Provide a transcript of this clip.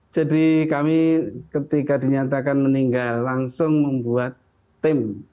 jadi kami ketika dinyatakan meninggal langsung membuat tim